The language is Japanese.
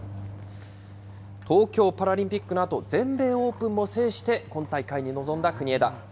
東京パラリンピックのあと、全米オープンも制して、今大会に臨んだ国枝。